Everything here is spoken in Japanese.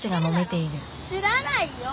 知らないよ！